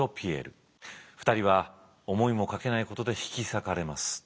２人は思いもかけないことで引き裂かれます。